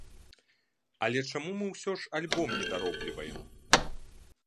Але чаму мы ўсё ж альбом не даробліваем?